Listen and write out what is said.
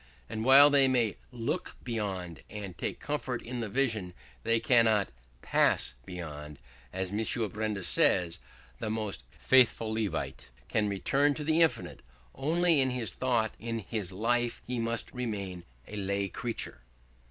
And while they may look beyond, and take comfort in the vision, they cannot pass beyond. As M. Benda says, the most faithful Levite can return to the infinite only in his thought; in his life he must remain a lay creature.